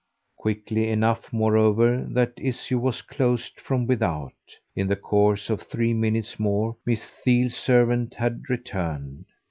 Quickly enough moreover that issue was closed from without; in the course of three minutes more Miss Theale's servant had returned.